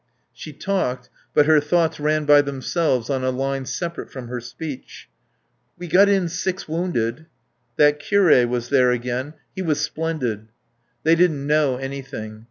She talked; but her thoughts ran by themselves on a line separate from her speech. "We got in six wounded." ... "That curé was there again. He was splendid." ... They didn't know anything.